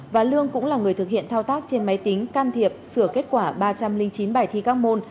và lương cũng là người thực hiện thao tác trên máy tính can thiệp sửa kết quả ba trăm linh chín bài thi các môn